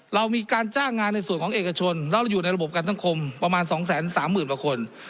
เรามีการจ้างงานในส่วนของเอกชนแล้วเราอยู่ในระบบกันสังคมประมาณ๒๓๐๐๐กว่าคน